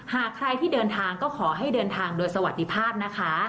หากใครที่เดินทางก็ขอให้เดินทางโดยสวัสดีภาพนะคะ